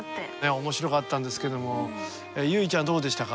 面白かったんですけども結実ちゃんどうでしたか？